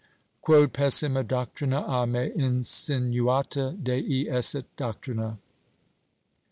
Quod pessima doctrina a me insinuata Dei esset doctrina.